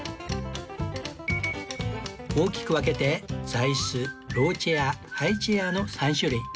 大きく分けて座椅子ローチェアハイチェアの３種類